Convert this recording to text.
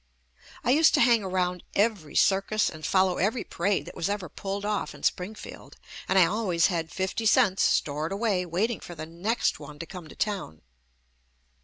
I used to hang around every circus and fol low every parade that was ever pulled off in Springfield, and I always had fifty cents stored away waiting for the next one to come to town.